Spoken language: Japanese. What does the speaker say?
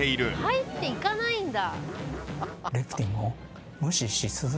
入っていかないんだ。